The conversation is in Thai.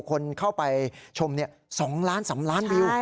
คนเข้าไปชม๒ล้าน๓ล้านวิว